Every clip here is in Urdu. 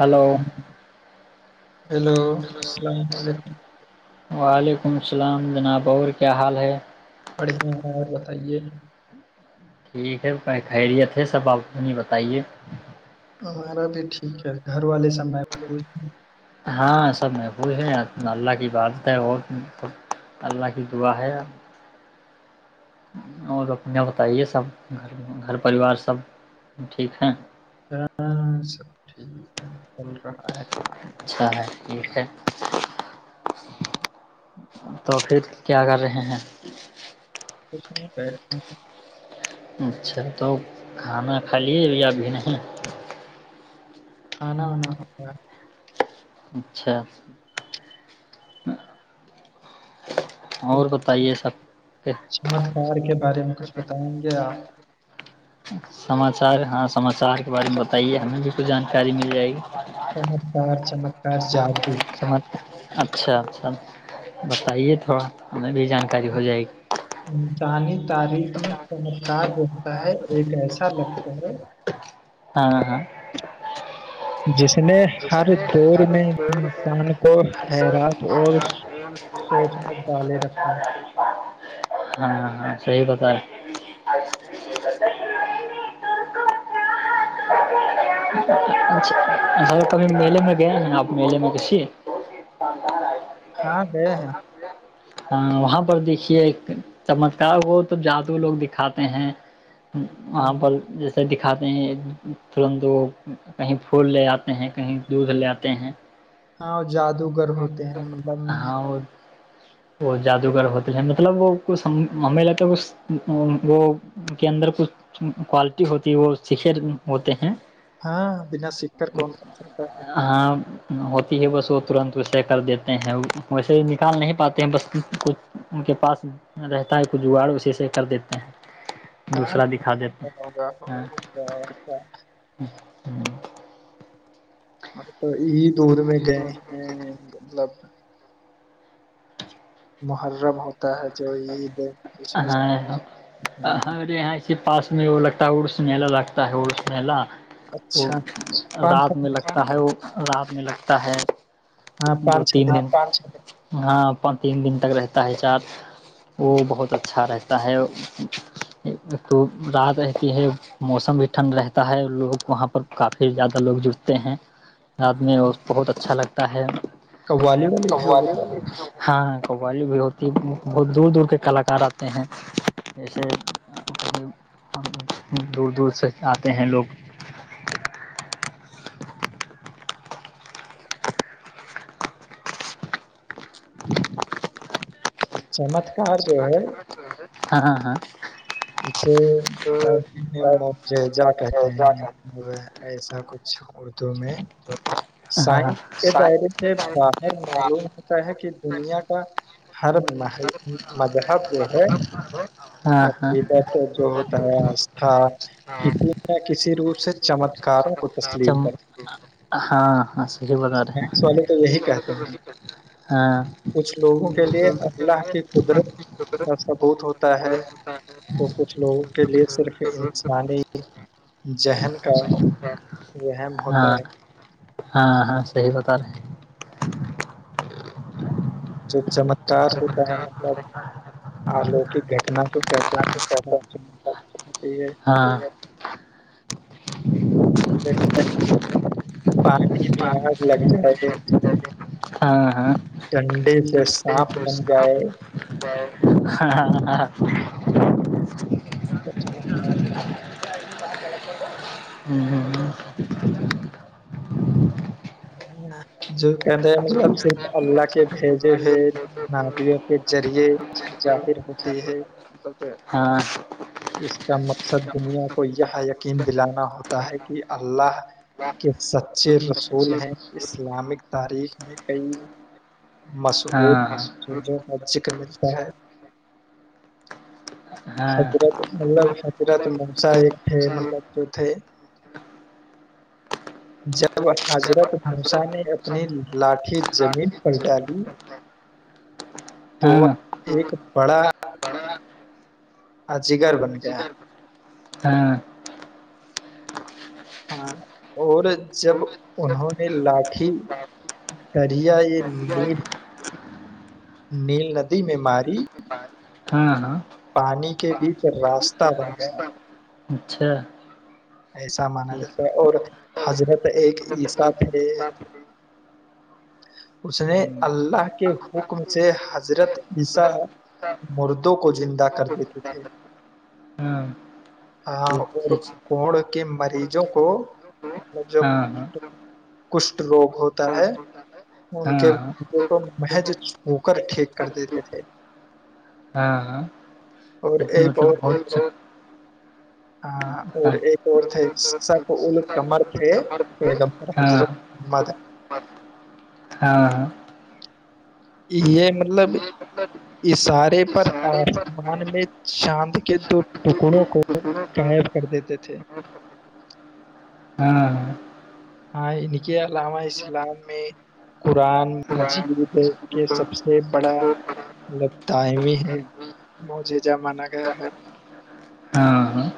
ہلو ہیلو السلام علیکم بور کیا حال ہے پڑے ہیں اور بتائیے ٹھیک ہے خیریت ہے سب آپنی بتائیے ہمارا بھی ٹھیک ہے گھر والے سب میں ہاں سب محفوظ ہے اللہ کی بادت ہے ب اللہ کی دعا ہے اور اپنے بتائیے سب گھر پریوار سب ٹھیک ہے ہاں ٹھیک ہے چل رہا ہے اچھا ہے ٹھیک ہے تو پھر کیا کر رہے ہیں نہیں اچھا تو کھانا کھا لیے بھی ابھی نہیں آان ہونا ہو [unintelligible] اچھا اور بتائیے سب چمتکار کے بارے میں کچھ بتائیں گے آپ سماچار ہاں سماچار سہار کے بارے میں بتائیے ہمیں اس کو جانکاری مل جائے گی چمتکار چمت پ جارد [unintelligible] جناب اچھا اچھا بتائیے تھوڑا ہمیں بھی جانکاری ہو جائے گی انسانی تاریخ میں چمتکار ہوتا ہے ایک ایسا لقظ ہے ہاں ہاں جی سر جار انسان کو حیرات اور سوچ میں ڈالے رکھا ہے ہاں ہاں صحی پتا ہے چ کبھی میلے میں گئے ہیں آپ میلے میں گسیے ہاں ہے ہے ہاں وہاں پر دیکھیے چمتکار کو توب جادو لوگ دکھاتے ہیں ہاں وہاں پر جیسے دکھاتا ترنت وہ کہیں پھول لے آتے ہیں کہیں دودھ لے آتے ہیں ہاں وہ جادوگر ہوتے ہیں مطلب ہاں وہ جادوگر ہوتے ہیں مطلب وہ کچھ ہمیں لگتا کچ وہ کے اندر کچھ کوالٹی ہوتی وہ سیکھے ہوتے ہیں ہاں بنا سیکھ کر کون کر سکتا ہے ہاں ہوتی ہے بس وہ ترنت اسے کر دیتے ہیں ویسے نکال نہیں پاتے بس کچھ ان کے پاس رہتا ہے کچھ جگاڑ اسی سےے کر دیتے ہیں ہاں دوسرا دکھا دیتے ہوگاا ہیں اچا ااں تو یہی دور میں گئے ہیں مطلب محرم ہوتا ہے جو عید اس میں ہاں ہاں، ہمے یہاں پاس میں وہ لگتا ہے اڑس ملا لگتا ہے ارس ملا وہ اچھا پانچ رات سات میں دن کا لگتا ہوتا- ہے وہ رات میں لگتا تا ہے ہاں دو پانچ چھ تین دن ہاں پانچ تین دن تک رہتا ہے چار وہ بہت اچھا رہتا ہے تو رات رہتی ہے موسم بھی ٹھنڈ رہتا ہے لوگ وہاں پر کافی زیادہ لوگ جٹتے ہیں آدمی بہت اچھا لگتا ہے [unintelligible] [unintelligible] ہاں قوالی بھی ہوتی ہے بہت دور دور کے کلاکار آتے ہیں جیسے دور دور سے آتے ہیں لوگ [inaudible] چمتکار جو ہے ہاں ہاں ہاں اسے جیجہ کہتے ہیں ایسا کچھ شک میں ہاں سائنس کے دائرے سے باہر معلوم ہوتا ہے کہ دنیا کا ہر م مذہب جو ہے ہاں ہاں ادھر تو جو ہوتا ہے آھا کسی نہ کسی روپ سے چمک ہاں ہاں ہجو بغان رہ ہیں سائنس والے تو یہی کہتے ہیں ہاں کچھ لوگوں ایسا بہت ہوتا ہے تو کچھ لوگوں کے لیے صرف انسان ہی ذہن کا وہم ہوتا ہاں ہے ہاں ہاں [unintelligible] اچھ اچھا کار ہوتا ہے [unintelligible] ہے ہاں ویسے نا پانی میں آگ لگ جائے ہاں ہاں تی تو چمت کار کرگئے [unintelligible] جو کہتے ہیں مطلب صرف اللہ کے بھیجے ہوئے نابیوں کے ذریعے ظاہر ہوتی ہے مطلب ہاں ہاں اس کا مقصد دنیا کو یہ یقین دلانا ہوتا ہے کہ اللہ کے سچے رسول ہیں اسلامک تاریخ میں کئی ہاں مشوروں کا ذکر ملتا ہے ہاں مطلب حضرت ماسہ ایک تھے مطلب جو تھے جا جب حضرت موسا نے اپنی لاٹھی زمین پر ڈالی تو ہاں ایک بڑا جگر بن گیا ہاں ہاں اور جب انہوں نے لاٹھی دریا یہ نیل نیل ندی میں ماری ہاں ہاں پانی کے بیچ راستہ بن گیا اچھا ایسا مانا جاتا ہے ہاں اور [unintelligible] حضرت ایک عیساے [unintelligible] اس نے اللہ کے حکم سے حضرت عیسیا مردوں کو زندہ کر دیتے تھے [unintelligible] ہاں ہاں کو کون [unintelligible] کہ مریضوں کو [unintelligible] مجھ [unintelligible] کشٹ روگ ہوتا ہے ہاں ان کے ہاں بے کو محض چھو کر ٹھیک کر دیتے تھے [unintelligible] ہاں ہ اور لیکن ایک مطلب اور بہت تھے اچج [unintelligible] ہاں اور ایک اور تھے سف ا قمر تھےمر ہاں حضرت محمد [unintelligible] ہاں ہاں [unintelligible] یہ [unintelligible] مطلب اشارے پر آسمان میں چاند کے دو ٹکڑوں کو قائب کر دیتے تھے [unintelligible] ہاں [unintelligible] ہاں ان کے علامہ اسلام میں قرآن مجید [unintelligible] کے سب سے بڑا [unintelligible] مطلب ٹائم ہی ہے موجے جا مانا گیا ہے [unintelligible] ہاں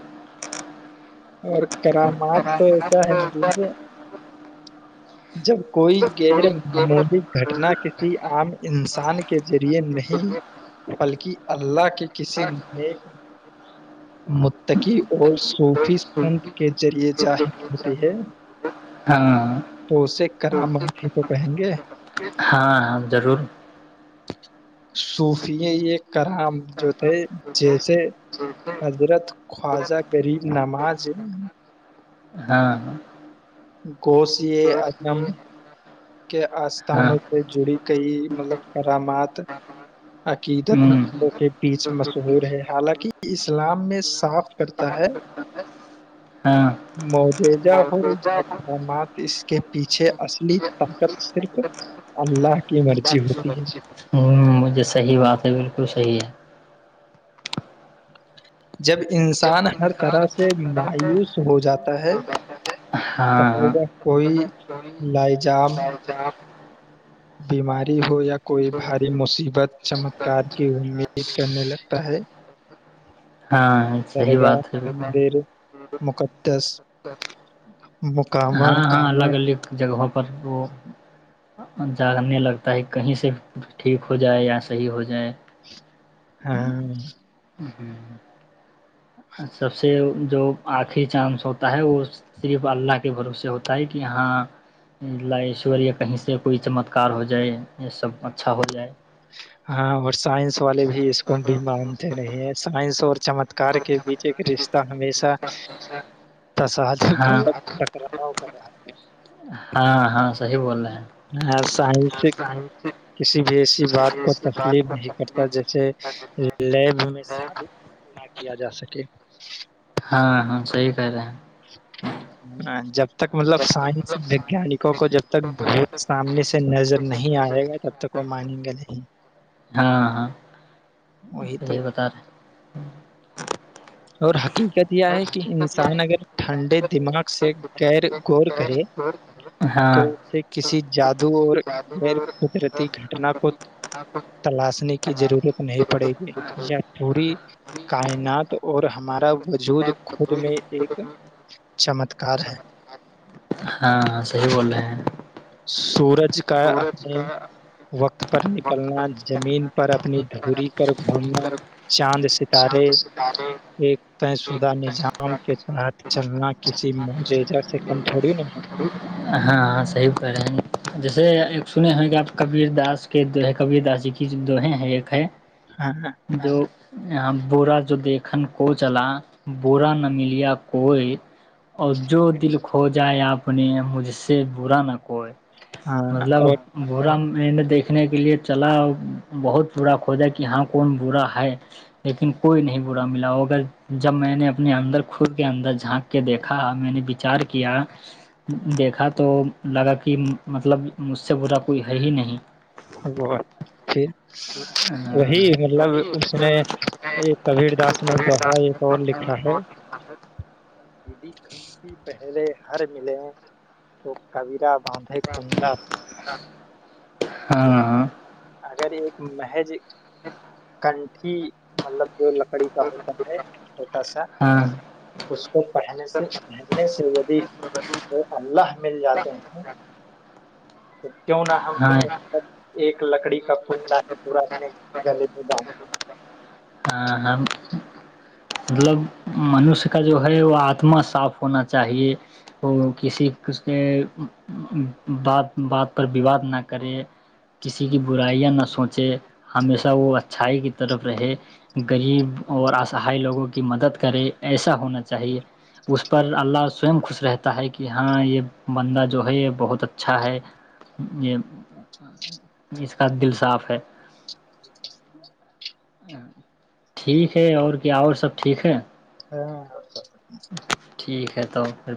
اور کرامات تو ایسا ہے م جب کوئی غیر معمولی گھٹنا کسی عام انسان کے ذریعے نہیں بلکہ اللہ کے کسی نیک متقی اور صوفی [unintelligible] سنت کے ذریعے ظاہر ہوتے ہے [unintelligible] ہاں [unintelligible] تو اسے کراما ہی تو کہیں گے [unintelligible] ہاں ضرور [unintelligible] صوفی یہ کرام جو تھے جیسے حضرت خواجہ غریب نماز [unintelligible] جی [unintelligible] ہاں گوش یہ ادم [unintelligible] کے ہاں آستھانوں سے جڑی کئی مطلب کرامات [unintelligible] عقیدت م کے بیچ مشہور ہ ہے حالانکہ اسلام میں صاف کرتا ہے ہاں مججہ ہو یا اقدامات اس کے پیچھے اصلی طاقت صرف اللہ ہ [unintelligible] ہوتی ہے [unintelligible] یہ صحیح بات ہے بالکل صحیح ہے [unintelligible] جب انسان ہر طرح سے مایوس ہو جاتا ہے ہاں چاہے ہاں وہ کوئی لاجام [unintelligible] بیماری ہو یا کوئی بھاری مصیبت چمتکار کی امید کرنے لگتا ہے [unintelligible] ہاں صحی درگاہ بات ہے مندر مقدس مقامات ہاں ہاں الگ الگ جگہوں پر وہ [unintelligible] جاننے لگتا ہے کہیں سے ٹھیک ہو جائے یا صحیح ہو جائے [unintelligible] ہاں [unintelligible] ہوں [unintelligible] سب سے جو آخری چانس ہوتا ہے وہ صرف اللہ کے بھروسے ہوتا ہے کہ ہاں ل ایشوریہ کہیں سے کوئی چمتکار ہو جائے یہ سب اچھا ہو جائے [unintelligible] ہاں اور سائنس والے بھی اس کو بھی مانتے نہیں ہیں سائنس اور چمتکار کے بیچ [unintelligible] کا رشتہ ہمیشہ تاد ہاں ٹکرا [unintelligible] [unintelligible] ہاں ہاں صحیح بول رہے ہیں ہاں سائنس کسی بھی ایسی بات کو تسلیم نہیں کرتا جیسے لیب میں ساد نہ کیا جا سکے پیر ہ جب ب تک مطلب سائنس وگیانکوں کو جب تک بھوت سامنے سے نظر نہیں آئے گا تب تک وہ مانیں گے نہیں وہی ص تو یہی بتا رہے ہ اور حقیقت یہ ہے کہ انسان اگر ٹھنڈے ت سے یر گور کرے ہاں تو اس سے کسی جد دو اور غیر قدرتی گ کو تلاشنے کی ضرورت نہیں پڑے گی یا پوری کائنات اور ہمارا وجود خود میں ایک چمتکار ہے ہاں صیح بول رہے ہیں سورج کا اپنے وقت پر نکلنا زمین پر اپنی دھوری کر گھومنا چاند سے ہم تو سکار طے شدہ نظام کے تحت چلنا کسی معججہ سے کم تھوڑی نہیں ہے ہاں ہاں صحیح کہہ رہے ہیں جیسے ایک سنے ہووں کہ آپ کبیر داس کے دو ہے کبیر داس جی کی دوہیں ہیں ایک ہے ہاں جو یہاں برا جو دیکھن کو چلا برا نہ ملیا کوئی اور جو دل کھو جائے آپ نے مجھ سے برا نہ کوئی ہاں مطلب اور وہورم میں نے دیکھنے کے لیے چلا بہت برا کھوودا کہ ہاں کون برا ہے لیکن کوئی نہیں برا ملا اگر جب میں نے اپنے اندر خود کے اندر جھانک کے دیکھا میں نے بچار کیا دیکھا تو لگا کہ مطلب مجھ سے برا کوئی ہے ہی نہیں [inaudible] ہاں وہی مطلب اس نے ایک کبیر داس نے دوہا ایک اور لکھا ہے پہلے ہر ملے ہیں تو کبیرا باندھے [inaudible] کنڈا ہاں ہاں ہاں اگر ایک محج [inaudible] سنٹھی مطلب جو لکڑی کا ہوتا ہے چھوٹا سا ہاں اس کو پہنے سے پہننے سے دی وہ اللہ مل جاتے ہیں [inaudible] کیوں نہ ہاں ہم ایک لکڑی کا خندا ہے پورا اپنے گلے میں ب ہاں ہم مطلب منوش کا جو ہے وہ آتما صاف ہونا چاہیے وہ کسی کے بات بات پر وواد نہ کرے کسی کی برائیاں نہ سوچ [inaudible] ہمیشہ وہ اچ چھائی کی طرف رہے گغریب اور آسان لوگوں کی مدد کرے ایسا ہونا چاہیے اس پر اللہ سو خوش رہتا ہے کہ ہاں یہ بندہ جو ہے یہ بہت اچھا ہے یہ اس کا دل صاف ہے ٹھیک ہے اور کیا اور سب ٹھیک ہے [inaudible] [inaudible] ٹھیک ہے توب پھر